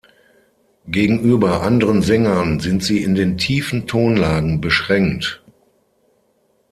Gegenüber anderen Sängern sind sie in den tiefen Tonlagen beschränkt.